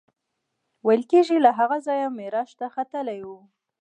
ویل کېږي له هغه ځایه معراج ته ختلی و.